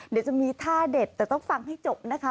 เดี๋ยวจะมีท่าเด็ดแต่ต้องฟังให้จบนะคะ